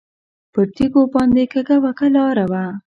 پر تیږو باندې کږه وږه لاره وه.